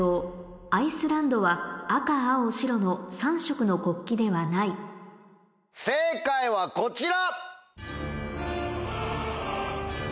アイスランドは赤青白の３色の国旗ではない正解はこちら。